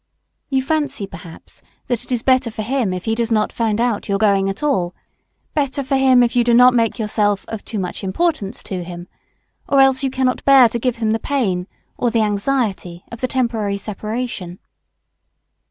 You fancy perhaps that it is better for him if he does not find out your going at all, better for him if you do not make yourself "of too much importance" to him; or else you cannot bear to give him the pain or the anxiety of the temporary separation.